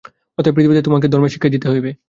অতএব পৃথিবীকে তোমাদের ধর্মের শিক্ষাই দিতে হইবে।